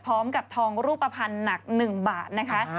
พร้อมกับทองรูปภัณฑ์หนัก๑บาทนะคะ